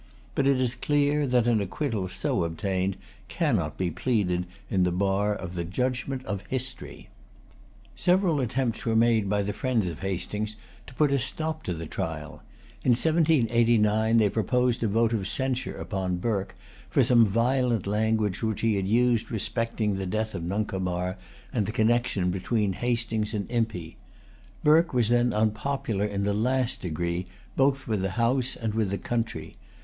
But it is clear that an acquittal so obtained cannot be pleaded in bar of the judgment of history. Several attempts were made by the friends of Hastings to put a stop to the trial. In 1789 they proposed a vote of censure upon Burke, for some violent language which he had used respecting the death of Nuncomar and the connection between Hastings and Impey. Burke was then unpopular in the last degree both with the House and with the country.